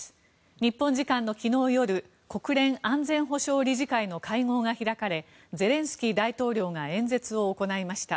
日本時間の昨日夜国連安全保障理事会の会合が開かれゼレンスキー大統領が演説を行いました。